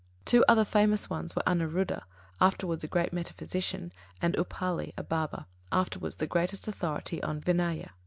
Two other famous ones were Anuruddha, afterwards a great metaphysician, and Upāli, a barber, afterwards the greatest authority on Vinaya.